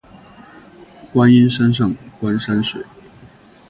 观音山上观山水